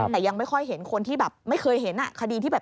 แต่ยังไม่ค่อยเห็นคนที่แบบไม่เคยเห็นคดีที่แบบ